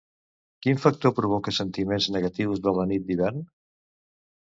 Quin factor provoca sentiments negatius de la nit d'hivern?